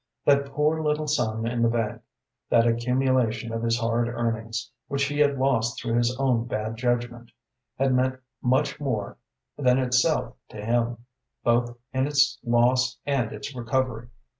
That poor little sum in the bank, that accumulation of his hard earnings, which he had lost through his own bad judgment, had meant much more than itself to him, both in its loss and its recovery.